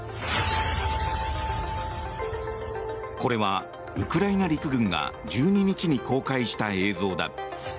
これはウクライナ陸軍が１２日に公開した映像だ。